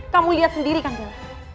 kamu lihat sendiri kan bella